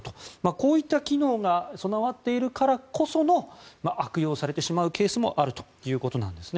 こういった機能が備わっているからこそ悪用されてしまうケースもあるということなんですね。